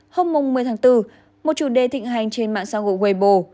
hôm một mươi tháng bốn một chủ đề thịnh hành trên mạng xã hội webo